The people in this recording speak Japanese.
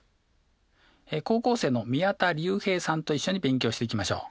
高校生の宮田隆平さんと一緒に勉強していきましょう。